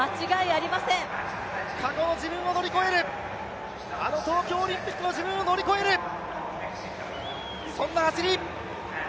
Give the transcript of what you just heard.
過去の自分を乗り越える、あの東京オリンピックの自分を乗り越える、そんな走り！